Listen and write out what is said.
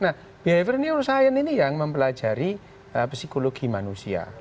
nah behavior neuroscience ini yang mempelajari psikologi manusia